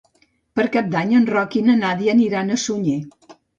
Per Cap d'Any en Roc i na Nàdia aniran a Sunyer.